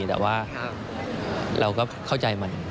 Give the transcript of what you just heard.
แต่ว่าเราก็เข้าใจมัน